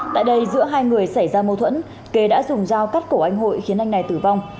tại đây giữa hai người xảy ra mâu thuẫn kế đã dùng dao cắt cổ anh hội khiến anh này tử vong